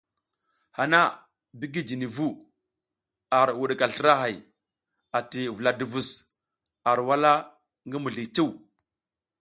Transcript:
Hana bigi jini vu, ar wuɗika slra hay ati vula duvus ar wala ngi mizli cuw.